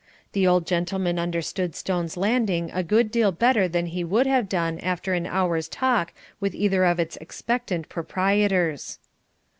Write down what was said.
The old gentleman understood Stone's Landing a good deal better than he would have done after an hour's talk with either of it's expectant proprietors.